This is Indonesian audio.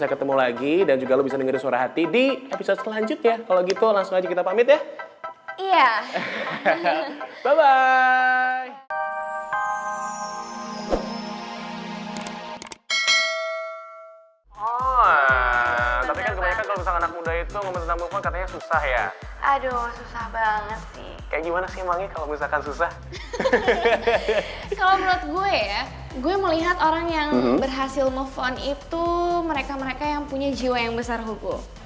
kalau menurut gue ya gue melihat orang yang berhasil move on itu mereka mereka yang punya jiwa yang besar hubung